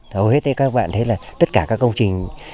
hầu hết các bạn thấy là tất cả các công trình